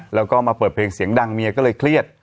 แล้วก็มาเปิดเพลงเสียงดังเมียก็เลยเครียด